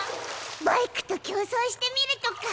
バイクと競争してみるとか。